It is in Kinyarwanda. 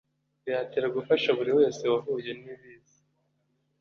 Bihatira gufasha buri wese wahuye nibiza